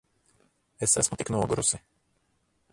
Es esmu tik nogurusi.